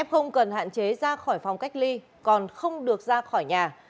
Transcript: không cần hạn chế ra khỏi phòng cách ly còn không được ra khỏi nhà